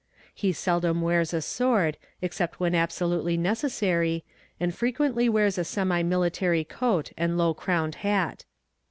He seldom wears a sword, except when absolutely necessary, and frequently wears a semi military coat and low crowned hat.